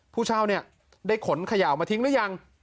ผู้เช่าเนี่ยได้ขนเขย่ามาทิ้งหรือยัง